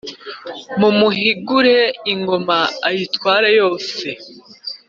Mumuhingure ingoma ayitware yose